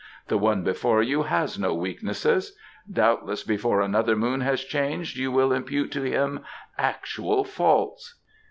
... The one before you has no weaknesses. ... Doubtless before another moon has changed you will impute to him actual faults!"